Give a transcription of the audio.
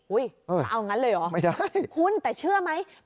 อุ๊ยจะเอางั้นเลยเหรอคุณแต่เชื่อไหมไม่ได้